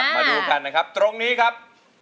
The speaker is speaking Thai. มาดูกันนะครับตรงนี้ครับ